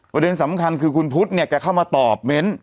ประเด็นสำคัญคือคุณพุทธเนี่ยแกเข้ามาตอบเม้น